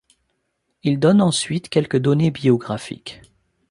Il donne ensuite quelques données biographiques.